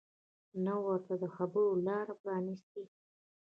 نه ورته د خبرو لاره پرانیستې